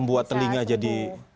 membuat telinga jadi